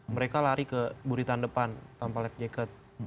mereka lari ke buritan depan tanpa life jacket